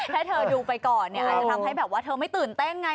ถ้าเธอดูไปก่อนเนี่ยอาจจะทำให้แบบว่าเธอไม่ตื่นเต้นไง